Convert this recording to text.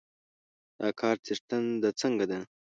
د کار څښتن د څنګه ده؟